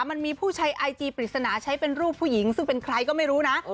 มันมีผู้ใช้ไอจีปริศนาใช้เป็นรูปผู้หญิงซึ่งเป็นใครก็ไม่รู้นะ